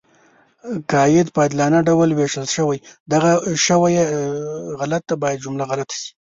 که عاید په غیر عادلانه ډول ویشل شوی وي.